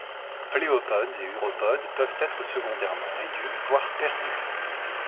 Pléopodes et uropodes peuvent être secondairement réduits, voire perdus.